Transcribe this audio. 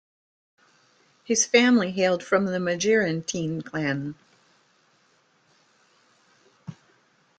His family hailed from the Majeerteen clan.